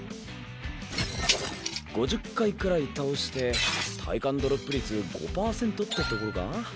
５０回くらい倒して体感ドロップ率５％ってところか？